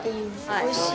おいしい。